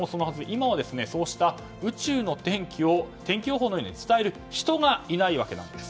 今は宇宙の天気を天気予報のように伝える人がいないわけです。